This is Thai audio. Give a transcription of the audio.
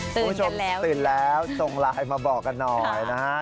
ตื่นกันแล้วตื่นแล้วตรงไลน์มาบอกกันหน่อยนะฮะ